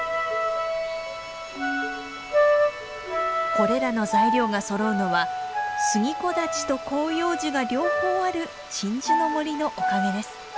これらの材料がそろうのは杉木立と広葉樹が両方ある鎮守の森のおかげです。